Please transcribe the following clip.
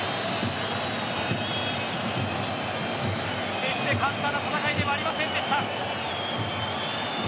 決して簡単な戦いではありませんでした。